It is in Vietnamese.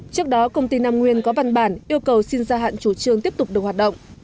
trước đó công ty nam nguyên có văn bản yêu cầu xin gia hạn chủ trương tiếp tục được hoạt động